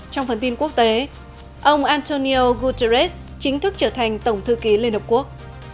trong phần tin quốc tế ông antonio guterres chính thức trở thành tổng thư ký liên hợp quốc